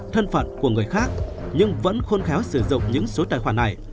thân phận của người khác nhưng vẫn khôn khéo sử dụng những số tài khoản này